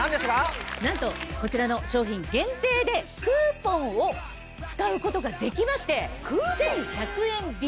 なんとこちらの商品限定でクーポンを使うことができまして１１００円引き。